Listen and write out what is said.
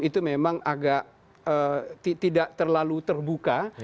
itu memang agak tidak terlalu terbuka